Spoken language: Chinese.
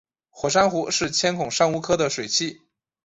火珊瑚是千孔珊瑚科的水螅。